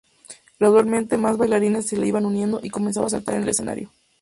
Gradualmente, más bailarines se le iban uniendo y comenzaban a saltar en el escenario.